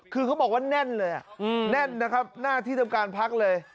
คือเขาบอกว่าแน่นเลยแน่นนะครับหน้าที่ทำการพักเลย